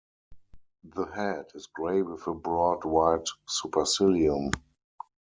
The head is grey with a broad white supercilium.